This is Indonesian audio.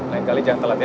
lain kali jangan telat ya